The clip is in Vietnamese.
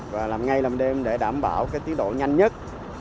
và làm ngày làm đêm để đảm bảo cái tiến độ nhanh nhất